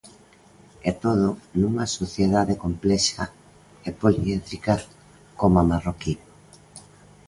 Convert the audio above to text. E todo nunha sociedade complexa e poliédrica como a marroquí.